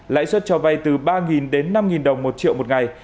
lãi suất cho vay từ ba đến năm đồng một triệu một ngày